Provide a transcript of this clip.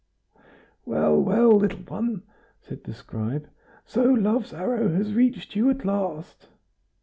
"Well, well, little one," said the scribe, "so Love's arrow has reached you at last!"